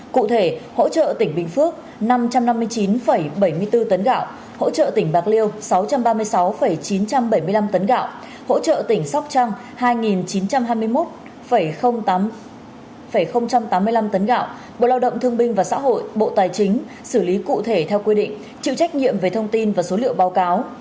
cụ thể hỗ trợ tỉnh bình phước năm trăm năm mươi chín bảy mươi bốn tấn gạo hỗ trợ tỉnh bạc liêu sáu trăm ba mươi sáu chín trăm bảy mươi năm tấn gạo hỗ trợ tỉnh sóc trăng hai chín trăm hai mươi một tám mươi năm tấn gạo bộ lao động thương binh và xã hội bộ tài chính xử lý cụ thể theo quy định chịu trách nhiệm về thông tin và số liệu báo cáo